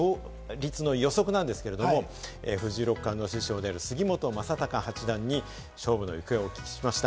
このどちらが勝つのかという勝率の予測なんですけれども、藤井六冠の師匠である杉本昌隆八段に勝負の行方をお聞きしました。